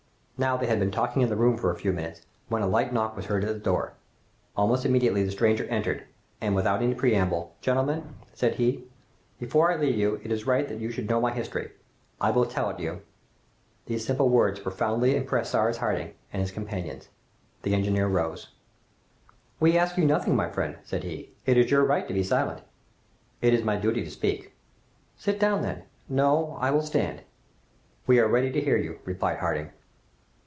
Now, they had been talking in the room for a few minutes, when a light knock was heard at the door. Almost immediately the stranger entered, and without any preamble, "Gentlemen," said he, "before I leave you, it is right that you should know my history. I will tell it you." These simple words profoundly impressed Cyrus Harding and his companions. The engineer rose. "We ask you nothing, my friend," said he; "it is your right to be silent." "It is my duty to speak." "Sit down, then." "No, I will stand." "We are ready to hear you," replied Harding.